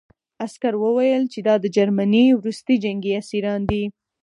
عسکر وویل چې دا د جرمني وروستي جنګي اسیران دي